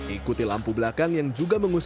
ikuti lampu belakang yang juga mengusung